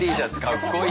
かっこいい。